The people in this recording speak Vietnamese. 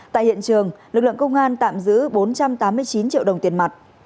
tại hiện trường lực lượng công an tạm giữ bốn trăm tám mươi chín triệu đồng tiền mặt